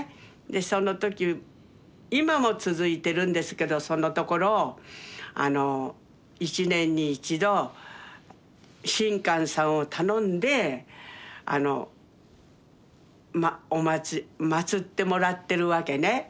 でその時今も続いてるんですけどそのところを一年に一度神官さんを頼んで祀ってもらってるわけね。